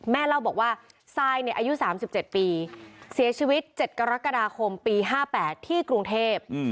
เล่าบอกว่าซายอายุ๓๗ปีเสียชีวิต๗กรกฎาคมปี๕๘ที่กรุงเทพ